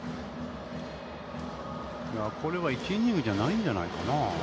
これは１イニングじゃないんじゃないかな。